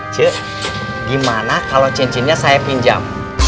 cik gimana kalau cincinnya saya pinjam